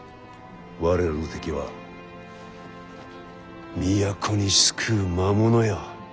我らの敵は都に巣くう魔物よ。